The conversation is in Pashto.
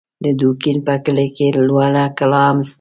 د دوکین په کلي کې لوړه کلا هم سته